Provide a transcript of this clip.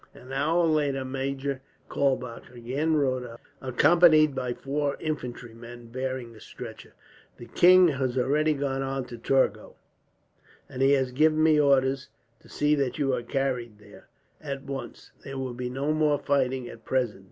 An hour later Major Kaulbach again rode up, accompanied by four infantry men bearing a stretcher. "The king has already gone on to Torgau, and he has given me orders to see that you are carried there, at once. There will be no more fighting, at present.